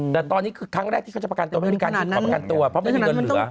แต่ตอนนี้คือครั้งแรกที่เขาจะประกันตัวไม่มีการยื่นขอประกันตัวเพราะไม่มีเงินเหลือ